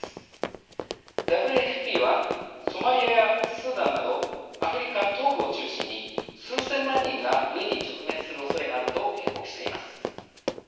ＷＦＰはソマリアやスーダンなどアフリカ東部を中心に数千万人が飢えに直面するおそれがあると警告しています。